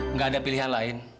nggak ada pilihan lain